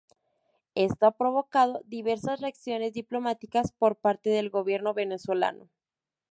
Esto ha provocado diversas reacciones diplomáticas por parte del gobierno venezolano.